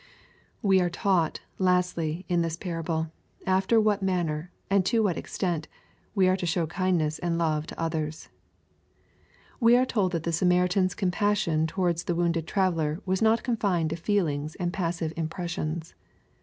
We are taught, lastly, in this parable, after whai \ manner y and to what extent we are to show kindness and love to others. We are told that the Samaritan's compas sion towards the wounded traveller was not confined to feelings and passive impressions.